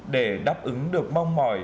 để đáp ứng được mong mỏi